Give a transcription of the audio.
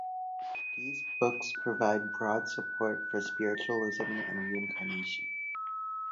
These books provide broad support for spiritualism and reincarnation.